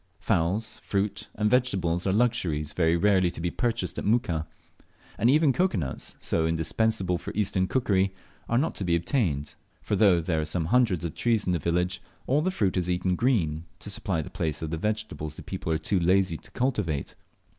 Fowls, fruit, and vegetables are luxuries very rarely to be purchased at Muka; and even cocoa nuts, so indispensable for eastern cookery, are not to be obtained; for though there are some hundreds of trees in the village, all the fruit is eaten green, to supply the place of the vegetables the people are too lazy to cultivate.